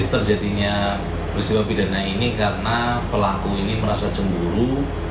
terjadinya peristiwa pidana ini karena pelaku ini merasa cemburu